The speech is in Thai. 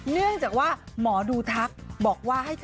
เนื่องจากว่าหมอดูทัก